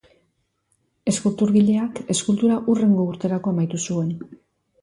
Eskulturgileak eskultura hurrengo urterako amaitu zuen.